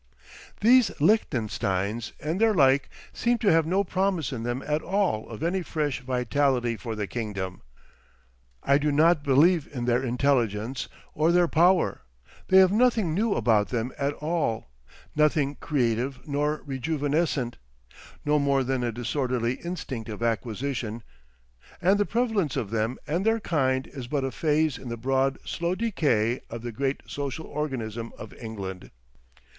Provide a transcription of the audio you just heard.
These Lichtensteins and their like seem to have no promise in them at all of any fresh vitality for the kingdom. I do not believe in their intelligence or their power—they have nothing new about them at all, nothing creative nor rejuvenescent, no more than a disorderly instinct of acquisition; and the prevalence of them and their kind is but a phase in the broad slow decay of the great social organism of England.